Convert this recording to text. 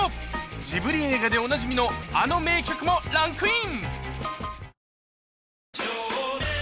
ジブリ映画でおなじみのあの名曲もランクイン！